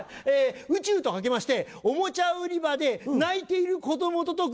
宇宙と掛けましてオモチャ売り場で泣いている子供と解く。